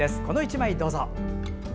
この１枚、どうぞ！